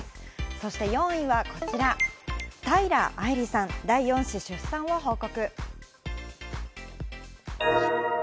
そして４位はこちら、平愛梨さん、第４子出産を報告。